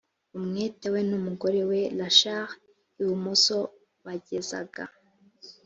umwete we n umugore we rachel ibumoso bagezaga